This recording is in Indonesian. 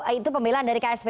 itu pemilu dari ksp